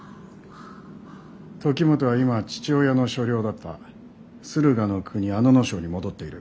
時元は今父親の所領だった駿河国阿野荘に戻っている。